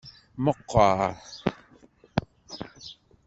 Meqqeṛ.